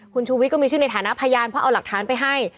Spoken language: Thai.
คุณชูวิทย์ก็มีชื่อในฐานะพยานเพราะเอาหลักฐานไปให้